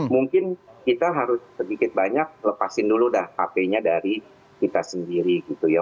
mungkin kita harus sedikit banyak lepasin dulu dah hp nya dari kita sendiri gitu ya